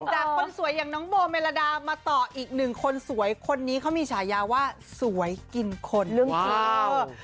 จากคนสวยอย่างเบามิลลารามาต่ออีกหนึ่งคนสวยชายาวว่าสวยกินคนนิศ